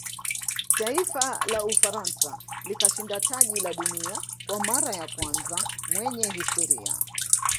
taifa la ufaransa likashinda taji la dunia kwa mara ya kwanza mwenye historia